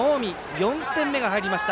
４点目が入りました。